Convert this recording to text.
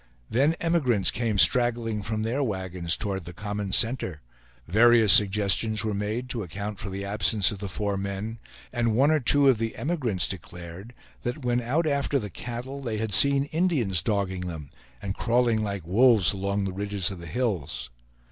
Then emigrants came straggling from their wagons toward the common center; various suggestions were made to account for the absence of the four men, and one or two of the emigrants declared that when out after the cattle they had seen Indians dogging them, and crawling like wolves along the ridges of the hills.